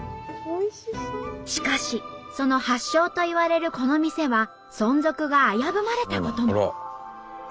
しかしその発祥といわれるこの店は存続が危ぶまれたことも。